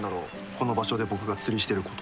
この場所で僕が釣りしてること。